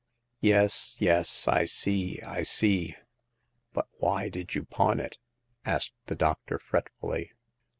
" Yes, yes ; I see, I see. But why did you pawn it ?" asked the doctor, fretfully.